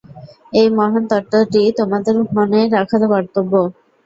এই মহান তত্ত্বটি তোমাদের মনে রাখা কর্তব্য।